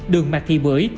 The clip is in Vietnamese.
đường mạc thị bưởi